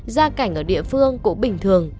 gia cảnh ở địa phương cũng bình thường